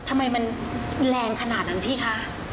ทำไมมันแรงขนาดนั้นพี่คะ